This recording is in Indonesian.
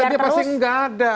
kalau katanya pasti nggak ada